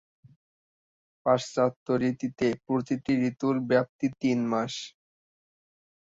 পাশ্চাত্য রীতিতে প্রতিটি ঋতুর ব্যাপ্তি তিন মাস।